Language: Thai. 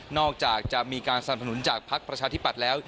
จากจะมีการสนับสนุนจากภักดิ์ประชาธิปัตย์แล้ว